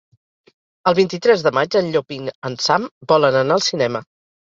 El vint-i-tres de maig en Llop i en Sam volen anar al cinema.